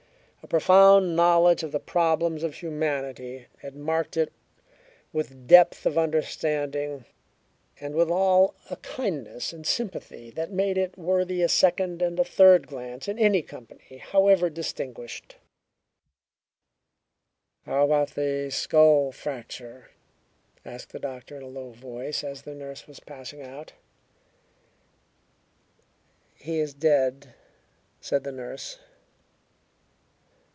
A profound knowledge of the problems of humanity had marked it with depth of understanding, and withal, a kindliness and sympathy, that made it worthy a second and a third glance in any company, however distinguished. "How about the skull fracture?" asked the doctor in a low voice, as the nurse was passing out. "He is dead," said the nurse.